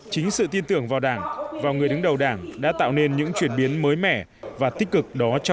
chính sự tin tưởng vào đảng vào người đứng đầu đảng đã tạo nên những chuyển biến mới mẻ và tích cực